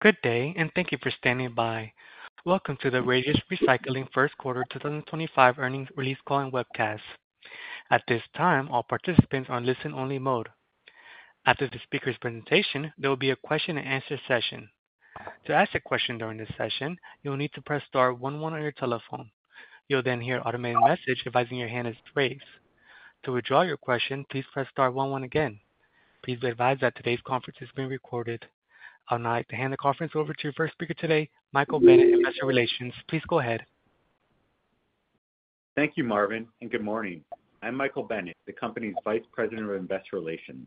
Good day, and thank you for standing by. Welcome to the Radius Recycling first quarter 2025 earnings release call and webcast. At this time, all participants are in listen-only mode. After the speaker's presentation, there will be a question-and-answer session. To ask a question during this session, you will need to press star one one on your telephone. You'll then hear an automated message advising your hand is raised. To withdraw your question, please press star one one again. Please be advised that today's conference is being recorded. I would now like to hand the conference over to your first speaker today, Michael Bennett, Investor Relations. Please go ahead. Thank you, Marvin, and good morning. I'm Michael Bennett, the company's Vice President of Investor Relations.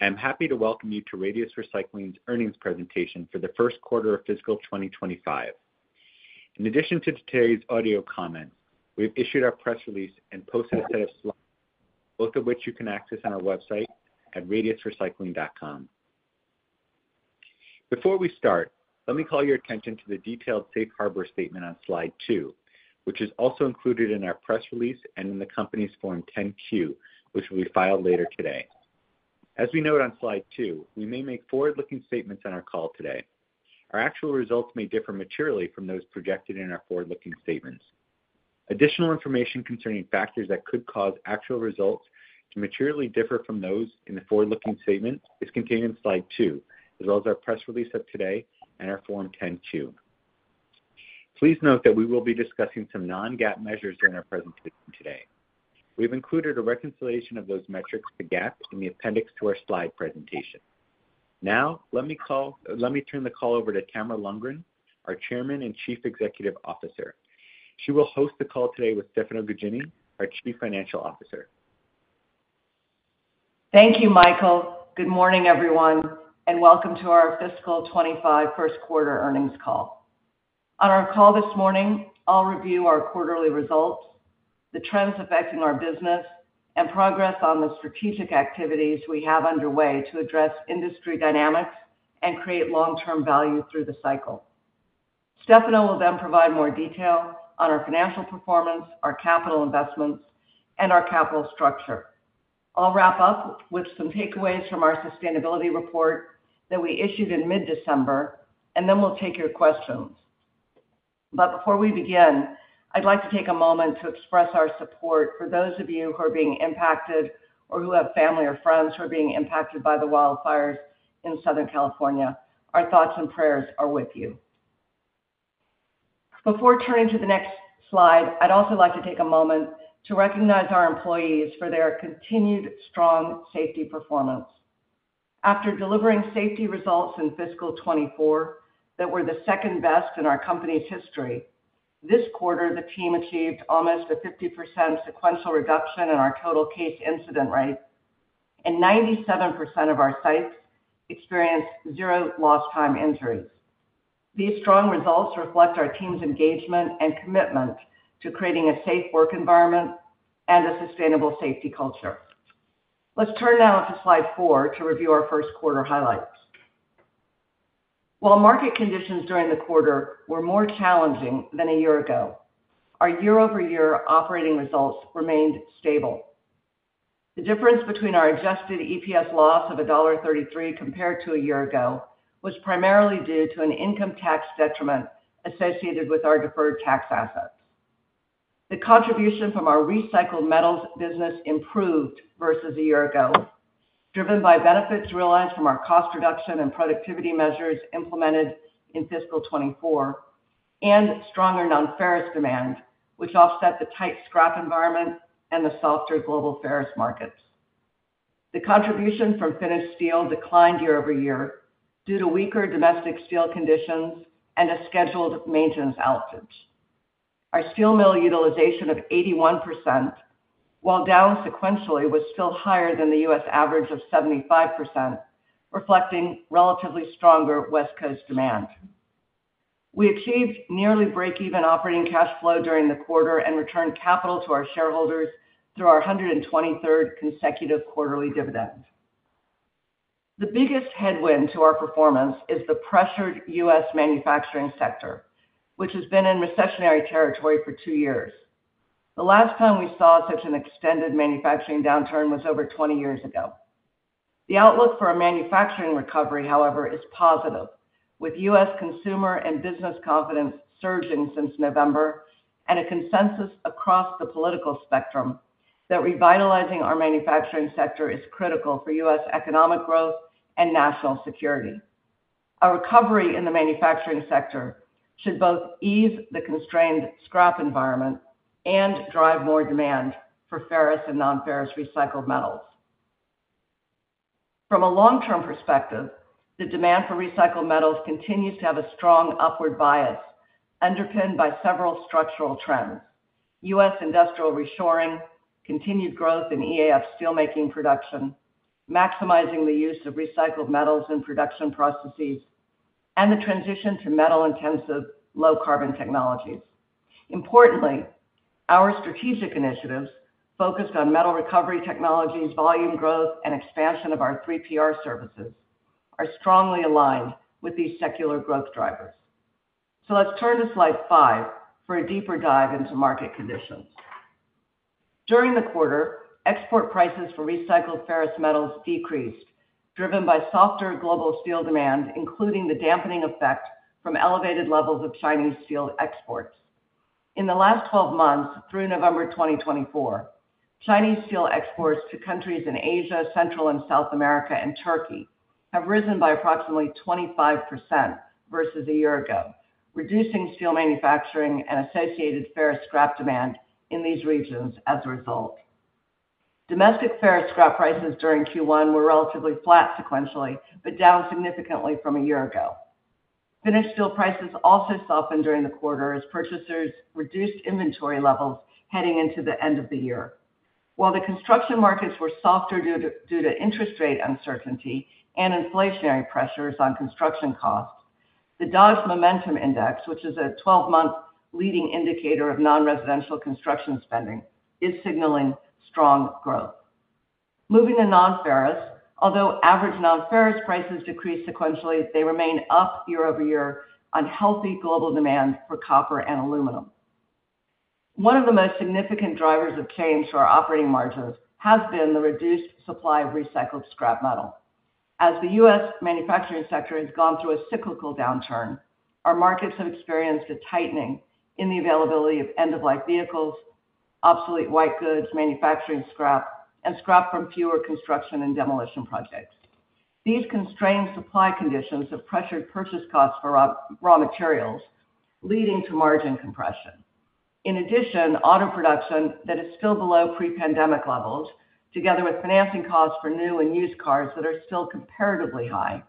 I am happy to welcome you to Radius Recycling's earnings presentation for first quarter of fiscal 2025. In addition to today's audio comments, we have issued our press release and posted a set of slides, both of which you can access on our website at radiusrecycling.com. Before we start, let me call your attention to the detailed safe harbor statement on slide two, which is also included in our press release and in the company's Form 10-Q, which will be filed later today. As we note on slide two, we may make forward-looking statements on our call today. Our actual results may differ materially from those projected in our forward-looking statements. Additional information concerning factors that could cause actual results to materially differ from those in the forward-looking statement is contained in slide two, as well as our press release of today and our Form 10-Q. Please note that we will be discussing some non-GAAP measures in our presentation today. We have included a reconciliation of those metrics to GAAP in the appendix to our slide presentation. Now, let me turn the call over to Tamara Lundgren, our Chairman and Chief Executive Officer. She will host the call today with Stefano Gaggini, our Chief Financial Officer. Thank you, Michael. Good morning, everyone, and welcome to our fiscal 2025 first quarter earnings call. On our call this morning, I'll review our quarterly results, the trends affecting our business, and progress on the strategic activities we have underway to address industry dynamics and create long-term value through the cycle. Stefano will then provide more detail on our financial performance, our capital investments, and our capital structure. I'll wrap up with some takeaways from our sustainability report that we issued in mid-December, and then we'll take your questions. But before we begin, I'd like to take a moment to express our support for those of you who are being impacted or who have family or friends who are being impacted by the wildfires in Southern California. Our thoughts and prayers are with you. Before turning to the next slide, I'd also like to take a moment to recognize our employees for their continued strong safety performance. After delivering safety results in fiscal 2024 that were the second best in our company's history, this quarter, the team achieved almost a 50% sequential reduction in our total case incident rate, and 97% of our sites experienced zero lost-time injuries. These strong results reflect our team's engagement and commitment to creating a safe work environment and a sustainable safety culture. Let's turn now to slide four to review our first quarter highlights. While market conditions during the quarter were more challenging than a year ago, our year-over-year operating results remained stable. The difference between our Adjusted EPS loss of $1.33 compared to a year ago was primarily due to an income tax detriment associated with our deferred tax assets. The contribution from our recycled metals business improved versus a year ago, driven by benefits realized from our cost reduction and productivity measures implemented in fiscal 2024 and stronger non-ferrous demand, which offset the tight scrap environment and the softer global ferrous markets. The contribution from finished steel declined year-over-year due to weaker domestic steel conditions and a scheduled maintenance outage. Our steel mill utilization of 81%, while down sequentially, was still higher than the U.S. average of 75%, reflecting relatively stronger West Coast demand. We achieved nearly break-even operating cash flow during the quarter and returned capital to our shareholders through our 123rd consecutive quarterly dividend. The biggest headwind to our performance is the pressured U.S. manufacturing sector, which has been in recessionary territory for two years. The last time we saw such an extended manufacturing downturn was over 20 years ago. The outlook for our manufacturing recovery, however, is positive, with U.S. consumer and business confidence surging since November and a consensus across the political spectrum that revitalizing our manufacturing sector is critical for U.S. economic growth and national security. A recovery in the manufacturing sector should both ease the constrained scrap environment and drive more demand for ferrous and non-ferrous recycled metals. From a long-term perspective, the demand for recycled metals continues to have a strong upward bias, underpinned by several structural trends: U.S. industrial reshoring, continued growth in EAF steelmaking production, maximizing the use of recycled metals in production processes, and the transition to metal-intensive, low-carbon technologies. Importantly, our strategic initiatives, focused on metal recovery technologies, volume growth, and expansion of our 3PR services, are strongly aligned with these secular growth drivers. So let's turn to slide five for a deeper dive into market conditions. During the quarter, export prices for recycled ferrous metals decreased, driven by softer global steel demand, including the dampening effect from elevated levels of Chinese steel exports. In the last 12 months, through November 2024, Chinese steel exports to countries in Asia, Central and South America, and Turkey have risen by approximately 25% versus a year ago, reducing steel manufacturing and associated ferrous scrap demand in these regions as a result. Domestic ferrous scrap prices during Q1 were relatively flat sequentially but down significantly from a year ago. Finished steel prices also softened during the quarter as purchasers reduced inventory levels heading into the end of the year. While the construction markets were softer due to interest rate uncertainty and inflationary pressures on construction costs, the Dodge Momentum Index, which is a 12-month leading indicator of non-residential construction spending, is signaling strong growth. Moving to non-ferrous, although average non-ferrous prices decreased sequentially, they remain up year-over-year on healthy global demand for copper and aluminum. One of the most significant drivers of change to our operating margins has been the reduced supply of recycled scrap metal. As the U.S. manufacturing sector has gone through a cyclical downturn, our markets have experienced a tightening in the availability of end-of-life vehicles, obsolete white goods, manufacturing scrap, and scrap from fewer construction and demolition projects. These constrained supply conditions have pressured purchase costs for raw materials, leading to margin compression. In addition, auto production that is still below pre-pandemic levels, together with financing costs for new and used cars that are still comparatively high,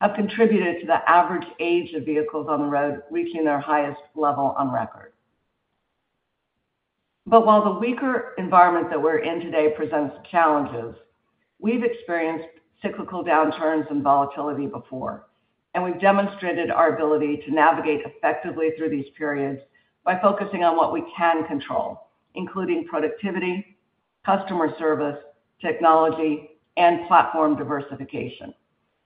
have contributed to the average age of vehicles on the road reaching their highest level on record. But while the weaker environment that we're in today presents challenges, we've experienced cyclical downturns and volatility before, and we've demonstrated our ability to navigate effectively through these periods by focusing on what we can control, including productivity, customer service, technology, and platform diversification.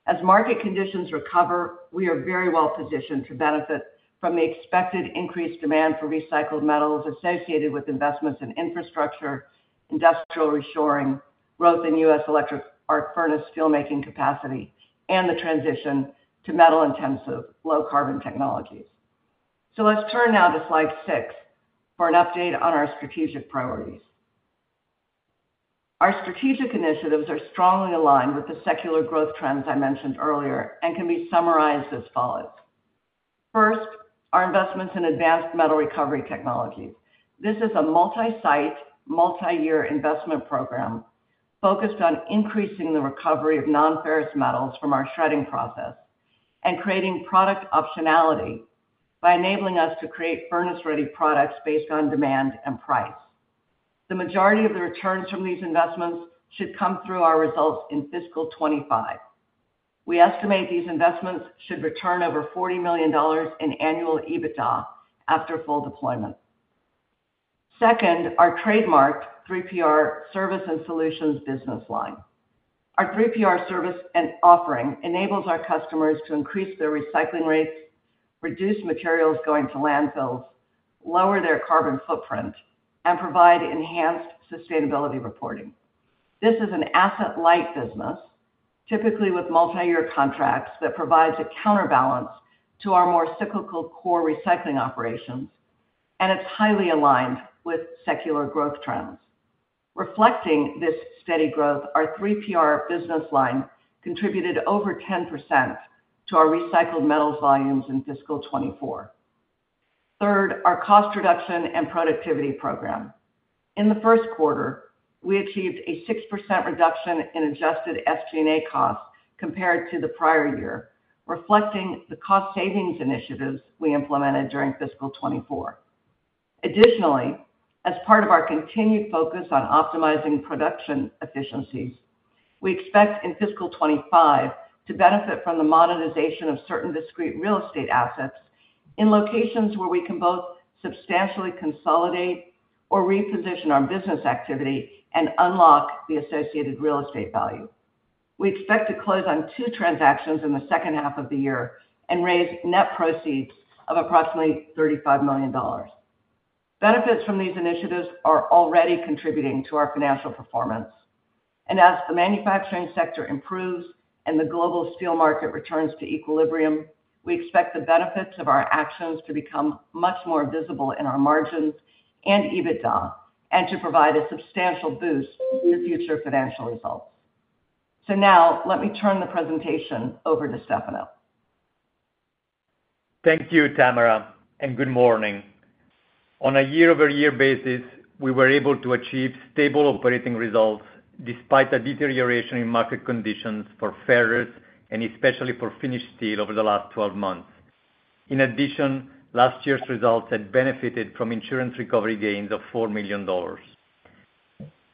As market conditions recover, we are very well positioned to benefit from the expected increased demand for recycled metals associated with investments in infrastructure, industrial reshoring, growth in U.S. electric arc furnace steelmaking capacity, and the transition to metal-intensive, low-carbon technologies. So let's turn now to slide six for an update on our strategic priorities. Our strategic initiatives are strongly aligned with the secular growth trends I mentioned earlier and can be summarized as follows. First, our investments in advanced metal recovery technologies. This is a multi-site, multi-year investment program focused on increasing the recovery of non-ferrous metals from our shredding process and creating product optionality by enabling us to create furnace-ready products based on demand and price. The majority of the returns from these investments should come through our results in fiscal 2025. We estimate these investments should return over $40 million in annual EBITDA after full deployment. Second, our trademarked 3PR service and solutions business line. Our 3PR service and offering enables our customers to increase their recycling rates, reduce materials going to landfills, lower their carbon footprint, and provide enhanced sustainability reporting. This is an asset-light business, typically with multi-year contracts that provides a counterbalance to our more cyclical core recycling operations, and it's highly aligned with secular growth trends. Reflecting this steady growth, our 3PR business line contributed over 10% to our recycled metals volumes in fiscal 2024. Third, our cost reduction and productivity program. In the first quarter, we achieved a 6% reduction in Adjusted SG&A costs compared to the prior year, reflecting the cost savings initiatives we implemented during fiscal 2024. Additionally, as part of our continued focus on optimizing production efficiencies, we expect in fiscal 2025 to benefit from the monetization of certain discrete real estate assets in locations where we can both substantially consolidate or reposition our business activity and unlock the associated real estate value. We expect to close on two transactions in the second half of the year and raise net proceeds of approximately $35 million. Benefits from these initiatives are already contributing to our financial performance. As the manufacturing sector improves and the global steel market returns to equilibrium, we expect the benefits of our actions to become much more visible in our margins and EBITDA and to provide a substantial boost to future financial results. Now, let me turn the presentation over to Stefano. Thank you, Tamara, and good morning. On a year-over-year basis, we were able to achieve stable operating results despite a deterioration in market conditions for ferrous, and especially for finished steel, over the last 12 months. In addition, last year's results had benefited from insurance recovery gains of $4 million.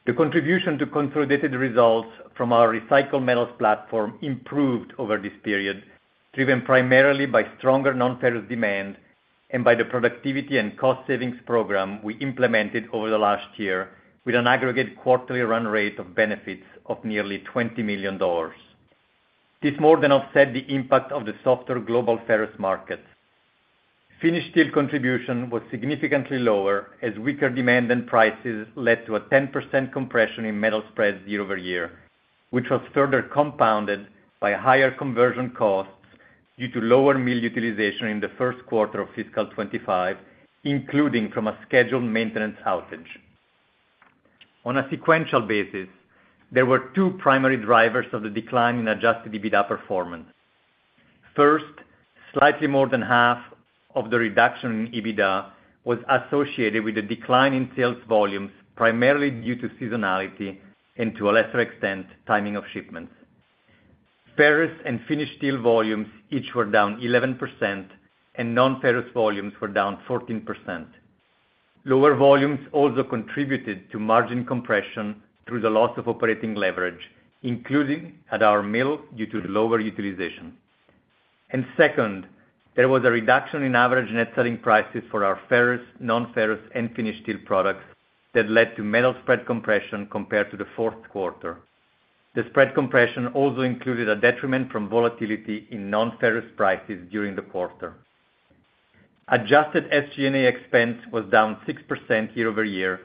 The contribution to consolidated results from our recycled metals platform improved over this period, driven primarily by stronger non-ferrous demand and by the productivity and cost savings program we implemented over the last year, with an aggregate quarterly run rate of benefits of nearly $20 million. This more than offsets the impact of the softer global ferrous market. Finished steel contribution was significantly lower as weaker demand and prices led to a 10% compression in metal spreads year-over-year, which was further compounded by higher conversion costs due to lower mill utilization in the first quarter of fiscal 2025, including from a scheduled maintenance outage. On a sequential basis, there were two primary drivers of the decline in Adjusted EBITDA performance. First, slightly more than half of the reduction in EBITDA was associated with a decline in sales volumes, primarily due to seasonality and, to a lesser extent, timing of shipments. Ferrous and finished steel volumes each were down 11%, and non-ferrous volumes were down 14%. Lower volumes also contributed to margin compression through the loss of operating leverage, including at our mill due to the lower utilization. Second, there was a reduction in average net selling prices for our ferrous, non-ferrous, and finished steel products that led to metal spread compression compared to the fourth quarter. The spread compression also included a detriment from volatility in non-ferrous prices during the quarter. Adjusted SG&A expense was down 6% year-over-year,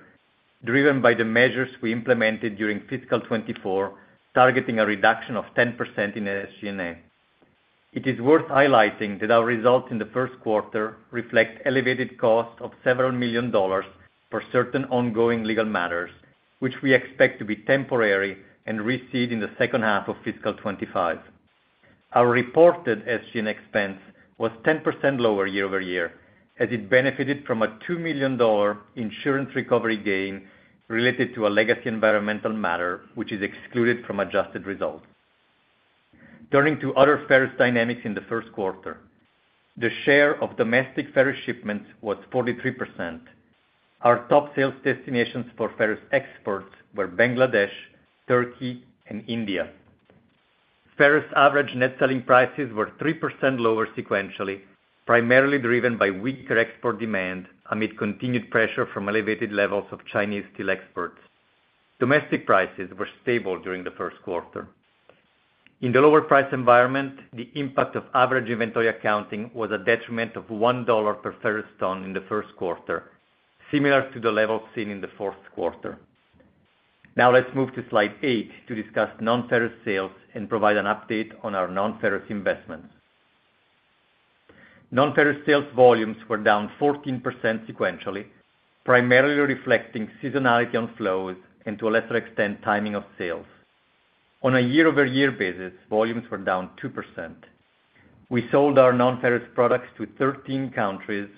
driven by the measures we implemented during fiscal 2024, targeting a reduction of 10% in SG&A. It is worth highlighting that our results in the first quarter reflect elevated costs of several million dollars for certain ongoing legal matters, which we expect to be temporary and recede in the second half of fiscal 2025. Our reported SG&A expense was 10% lower year-over-year, as it benefited from a $2 million insurance recovery gain related to a legacy environmental matter, which is excluded from adjusted results. Turning to other ferrous dynamics in the first quarter, the share of domestic ferrous shipments was 43%. Our top sales destinations for ferrous exports were Bangladesh, Turkey, and India. Ferrous average net selling prices were 3% lower sequentially, primarily driven by weaker export demand amid continued pressure from elevated levels of Chinese steel exports. Domestic prices were stable during the first quarter. In the lower price environment, the impact of average inventory accounting was a detriment of $1 per ferrous ton in the first quarter, similar to the levels seen in the fourth quarter. Now, let's move to slide eight to discuss non-ferrous sales and provide an update on our non-ferrous investments. Non-ferrous sales volumes were down 14% sequentially, primarily reflecting seasonality on flows and, to a lesser extent, timing of sales. On a year-over-year basis, volumes were down 2%. We sold our non-ferrous products to 13 countries,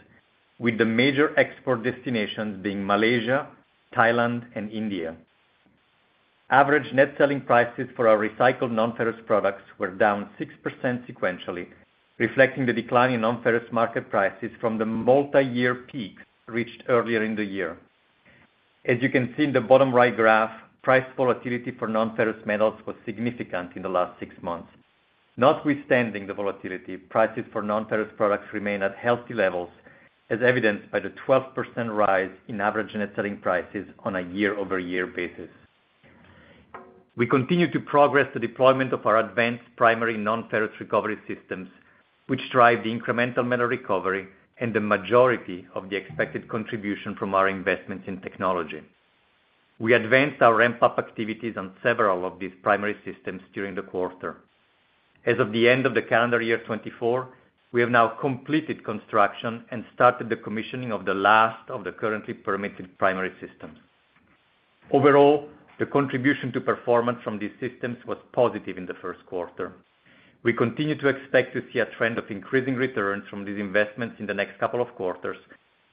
with the major export destinations being Malaysia, Thailand, and India. Average net selling prices for our recycled non-ferrous products were down 6% sequentially, reflecting the decline in non-ferrous market prices from the multi-year peaks reached earlier in the year. As you can see in the bottom right graph, price volatility for non-ferrous metals was significant in the last six months. Notwithstanding the volatility, prices for non-ferrous products remain at healthy levels, as evidenced by the 12% rise in average net selling prices on a year-over-year basis. We continue to progress the deployment of our advanced primary non-ferrous recovery systems, which drive the incremental metal recovery and the majority of the expected contribution from our investments in technology. We advanced our ramp-up activities on several of these primary systems during the quarter. As of the end of the calendar year 2024, we have now completed construction and started the commissioning of the last of the currently permitted primary systems. Overall, the contribution to performance from these systems was positive in the first quarter. We continue to expect to see a trend of increasing returns from these investments in the next couple of quarters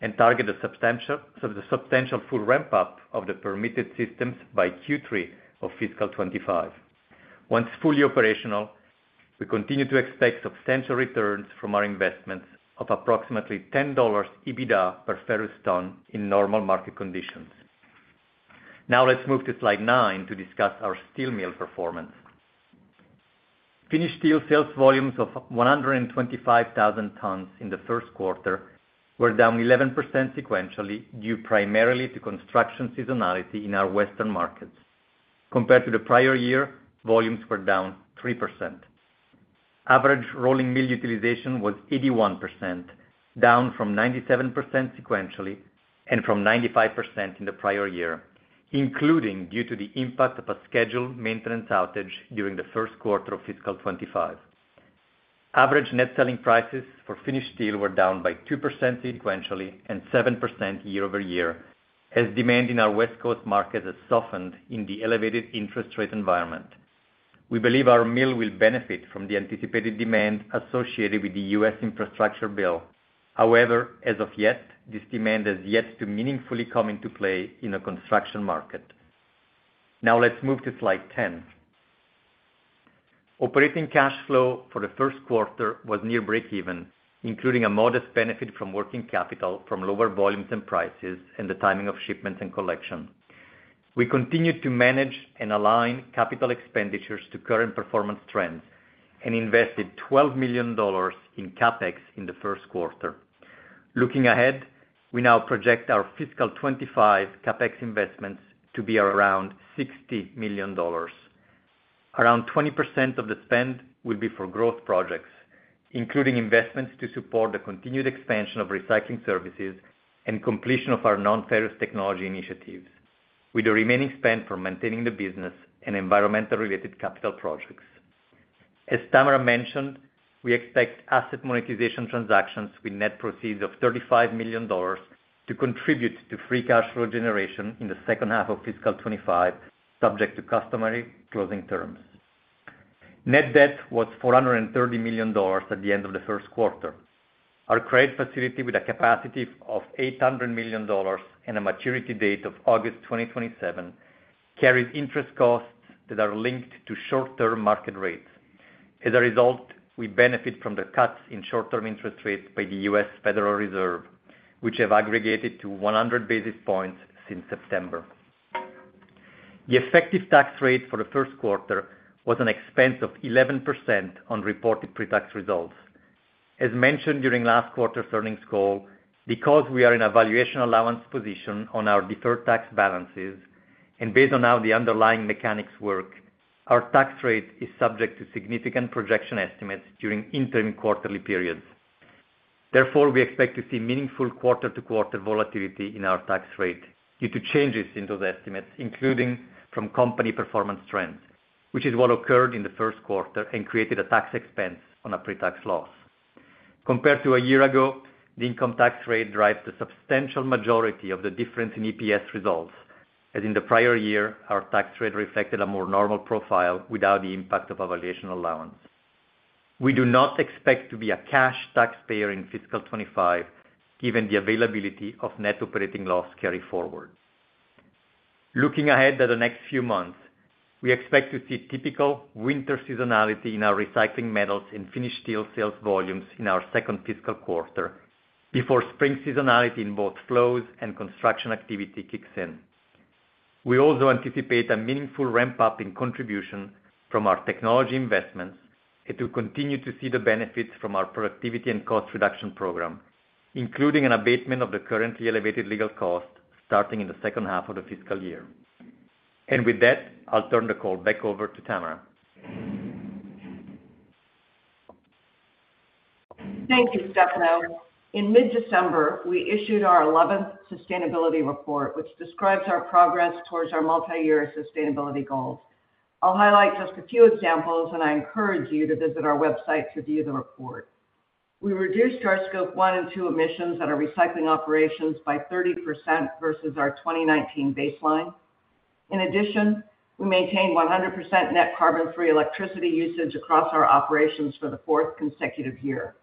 and target the substantial full ramp-up of the permitted systems by Q3 of fiscal 2025. Once fully operational, we continue to expect substantial returns from our investments of approximately $10 EBITDA per ferrous ton in normal market conditions. Now, let's move to slide nine to discuss our steel mill performance. Finished steel sales volumes of 125,000 tons in the first quarter were down 11% sequentially due primarily to construction seasonality in our Western markets. Compared to the prior year, volumes were down 3%. Average rolling mill utilization was 81%, down from 97% sequentially and from 95% in the prior year, including due to the impact of a scheduled maintenance outage during the first quarter of fiscal 2025. Average net selling prices for finished steel were down by 2% sequentially and 7% year-over-year, as demand in our West Coast markets has softened in the elevated interest rate environment. We believe our mill will benefit from the anticipated demand associated with the U.S. infrastructure bill. However, as of yet, this demand has yet to meaningfully come into play in the construction market. Now, let's move to slide 10. Operating cash flow for the first quarter was near break-even, including a modest benefit from working capital from lower volumes and prices and the timing of shipments and collection. We continued to manage and align capital expenditures to current performance trends and invested $12 million in CapEx in the first quarter. Looking ahead, we now project our fiscal 2025 CapEx investments to be around $60 million. Around 20% of the spend will be for growth projects, including investments to support the continued expansion of recycling services and completion of our non-ferrous technology initiatives, with the remaining spend for maintaining the business and environmental-related capital projects. As Tamara mentioned, we expect asset monetization transactions with net proceeds of $35 million to contribute to free cash flow generation in the second half of fiscal 2025, subject to customary closing terms. Net debt was $430 million at the end of the first quarter. Our credit facility, with a capacity of $800 million and a maturity date of August 2027, carries interest costs that are linked to short-term market rates. As a result, we benefit from the cuts in short-term interest rates by the U.S. Federal Reserve, which have aggregated to 100 basis points since September. The effective tax rate for the first quarter was an expense of 11% on reported pre-tax results. As mentioned during last quarter's earnings call, because we are in a valuation allowance position on our deferred tax balances and based on how the underlying mechanics work, our tax rate is subject to significant projection estimates during interim quarterly periods. Therefore, we expect to see meaningful quarter-to-quarter volatility in our tax rate due to changes in those estimates, including from company performance trends, which is what occurred in the first quarter and created a tax expense on a pre-tax loss. Compared to a year ago, the income tax rate drives the substantial majority of the difference in EPS results, as in the prior year, our tax rate reflected a more normal profile without the impact of a valuation allowance. We do not expect to be a cash taxpayer in fiscal 2025, given the availability of net operating loss carry forward. Looking ahead at the next few months, we expect to see typical winter seasonality in our recycling metals and finished steel sales volumes in our second fiscal quarter before spring seasonality in both flows and construction activity kicks in. We also anticipate a meaningful ramp-up in contribution from our technology investments and to continue to see the benefits from our productivity and cost reduction program, including an abatement of the currently elevated legal costs starting in the second half of the fiscal year. With that, I'll turn the call back over to Tamara. Thank you, Stefano. In mid-December, we issued our 11th sustainability report, which describes our progress towards our multi-year sustainability goals. I'll highlight just a few examples, and I encourage you to visit our website to view the report. We reduced our Scope 1 and Scope 2 emissions at our recycling operations by 30% versus our 2019 baseline. In addition, we maintained 100% net carbon-free electricity usage across our operations for the fourth consecutive year.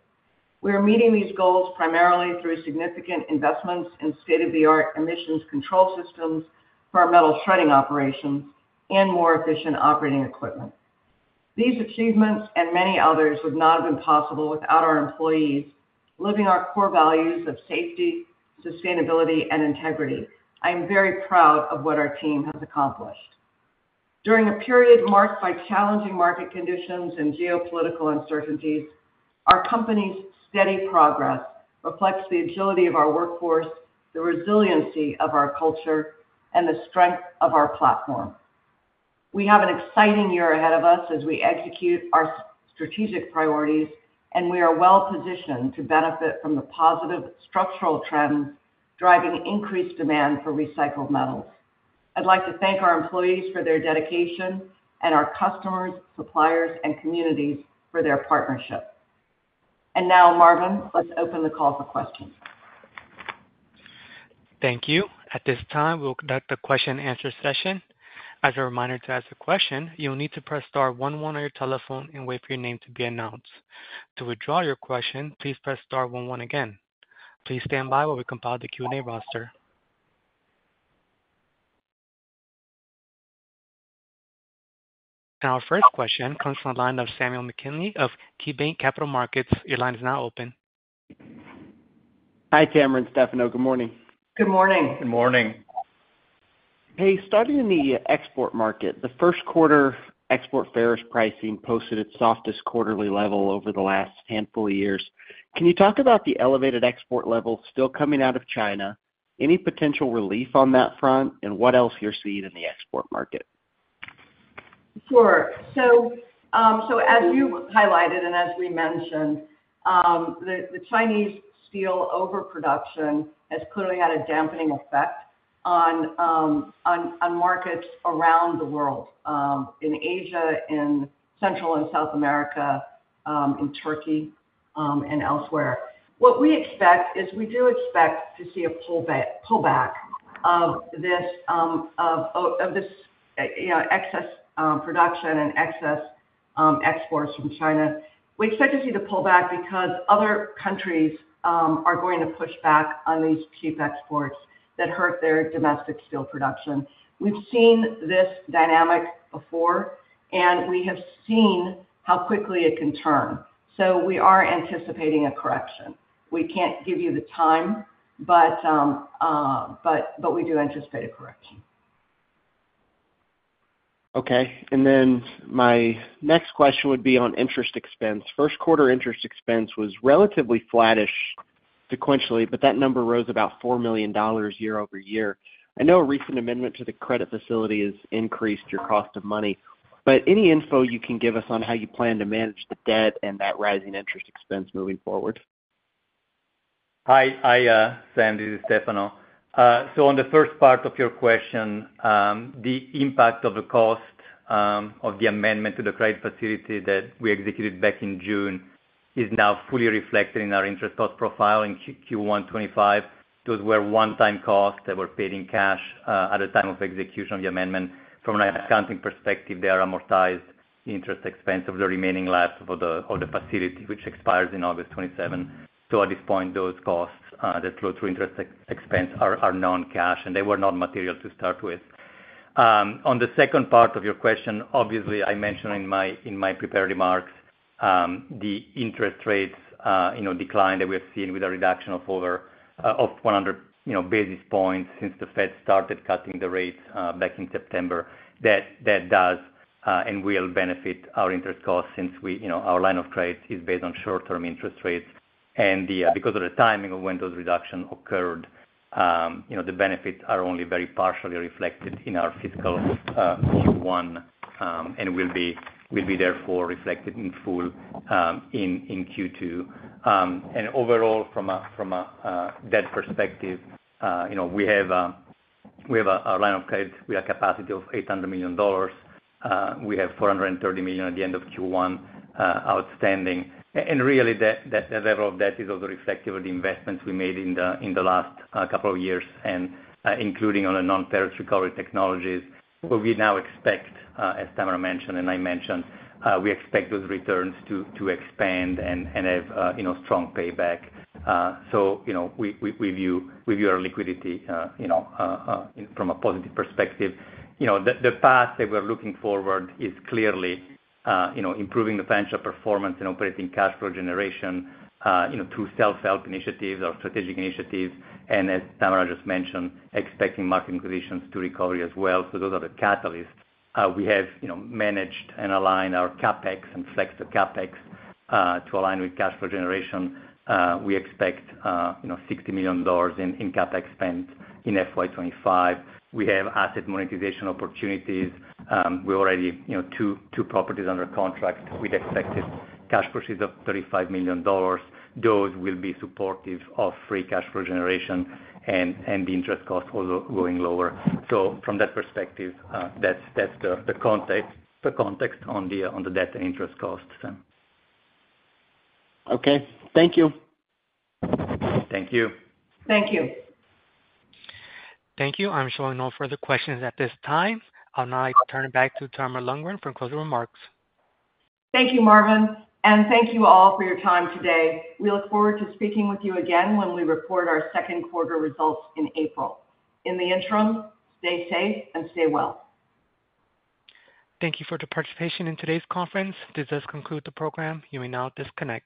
We are meeting these goals primarily through significant investments in state-of-the-art emissions control systems for our metal shredding operations and more efficient operating equipment. These achievements and many others would not have been possible without our employees living our core values of safety, sustainability, and integrity. I am very proud of what our team has accomplished. During a period marked by challenging market conditions and geopolitical uncertainties, our company's steady progress reflects the agility of our workforce, the resiliency of our culture, and the strength of our platform. We have an exciting year ahead of us as we execute our strategic priorities, and we are well positioned to benefit from the positive structural trends driving increased demand for recycled metals. I'd like to thank our employees for their dedication and our customers, suppliers, and communities for their partnership. And now, Marvin, let's open the call for questions. Thank you. At this time, we'll conduct a question-and-answer session. As a reminder to ask a question, you'll need to press star one one on your telephone and wait for your name to be announced. To withdraw your question, please press star one one again. Please stand by while we compile the Q&A roster. Now, our first question comes from the line of Samuel McKinney of KeyBanc Capital Markets. Your line is now open. Hi, Tamara and Stefano. Good morning. Good morning. Good morning. Hey, starting in the export market, the first quarter export ferrous pricing posted its softest quarterly level over the last handful of years. Can you talk about the elevated export level still coming out of China? Any potential relief on that front? And what else do you see in the export market? Sure. So, as you highlighted and as we mentioned, the Chinese steel overproduction has clearly had a dampening effect on markets around the world, in Asia, in Central and South America, in Turkey, and elsewhere. What we expect is we do expect to see a pullback of this excess production and excess exports from China. We expect to see the pullback because other countries are going to push back on these cheap exports that hurt their domestic steel production. We've seen this dynamic before, and we have seen how quickly it can turn. So, we are anticipating a correction. We can't give you the time, but we do anticipate a correction. Okay. And then my next question would be on interest expense. First quarter interest expense was relatively flattish sequentially, but that number rose about $4 million year-over-year. I know a recent amendment to the credit facility has increased your cost of money, but any info you can give us on how you plan to manage the debt and that rising interest expense moving forward? Hi, Sandy and Stefano. On the first part of your question, the impact of the cost of the amendment to the credit facility that we executed back in June is now fully reflected in our interest cost profile in Q1 2025. Those were one-time costs that were paid in cash at the time of execution of the amendment. From an accounting perspective, they are amortized interest expense over the remaining life of the facility, which expires in August 2027. At this point, those costs that flow through interest expense are non-cash, and they were not material to start with. On the second part of your question, obviously, I mentioned in my prepared remarks the interest rates decline that we have seen with a reduction of over 100 basis points since the Fed started cutting the rates back in September. That does and will benefit our interest costs since our line of credit is based on short-term interest rates. And because of the timing of when those reductions occurred, the benefits are only very partially reflected in our fiscal Q1 and will be therefore reflected in full in Q2. And overall, from a debt perspective, we have a line of credit with a capacity of $800 million. We have $430 million at the end of Q1 outstanding. And really, that level of debt is also reflective of the investments we made in the last couple of years, including on the non-ferrous recovery technologies. What we now expect, as Tamara mentioned and I mentioned, we expect those returns to expand and have strong payback. So, we view our liquidity from a positive perspective. The path that we're looking forward to is clearly improving the financial performance and operating cash flow generation through self-help initiatives or strategic initiatives. And as Tamara just mentioned, expecting market conditions to recover as well. So, those are the catalysts. We have managed and aligned our CapEx and flex the CapEx to align with cash flow generation. We expect $60 million in CapEx spent in FY 2025. We have asset monetization opportunities. We already have two properties under contract. We'd expected cash proceeds of $35 million. Those will be supportive of free cash flow generation and the interest costs also going lower. So, from that perspective, that's the context on the debt and interest costs. Okay. Thank you. Thank you. Thank you. Thank you. I'm showing no further questions at this time. I'll now turn it back to Tamara Lundgren for closing remarks. Thank you, Marvin. And thank you all for your time today. We look forward to speaking with you again when we report our second quarter results in April. In the interim, stay safe and stay well. Thank you for your participation in today's conference. This does conclude the program. You may now disconnect.